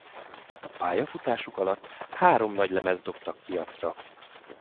Pályafutásuk alatt három nagylemezt dobtak piacra.